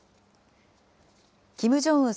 キム・ジョンウン